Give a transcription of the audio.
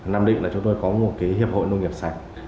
năm định là chúng tôi có một hiệp hội nông nghiệp sạch